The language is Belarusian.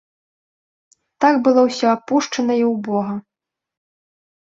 Так было ўсё апушчана і ўбога.